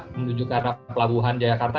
menuju ke arah pelabuhan jayakarta